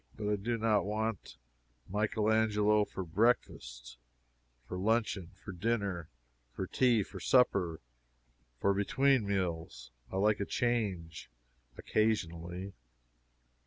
But I do not want Michael Angelo for breakfast for luncheon for dinner for tea for supper for between meals. I like a change, occasionally.